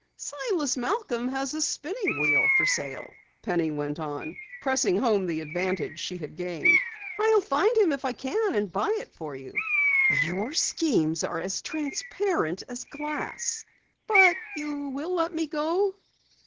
"Silas Malcom has a spinning wheel for sale," Penny went on, pressing home the advantage she had gained. "I'll find him if I can and buy it for you." "Your schemes are as transparent as glass." "But you will let me go?"